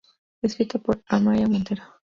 Escrita por Amaia Montero.